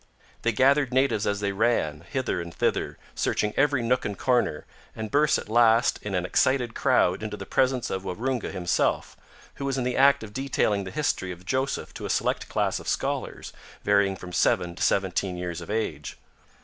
They gathered natives as they ran, hither and thither, searching every nook and corner, and burst at last in an excited crowd into the presence of Waroonga himself, who was in the act of detailing the history of Joseph to a select class of scholars, varying from seven to seventeen years of age.